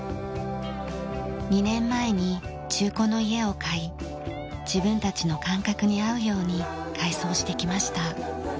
２年前に中古の家を買い自分たちの感覚に合うように改装してきました。